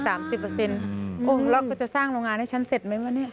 แล้วเขาจะสร้างโรงงานให้ฉันเสร็จไหมวะเนี่ย